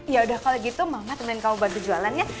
yaudah kalau gitu mama teman kamu bantu jualannya